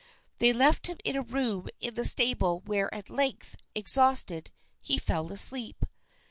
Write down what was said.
They left him in a room in the stable where at length, exhausted, he fell asleep.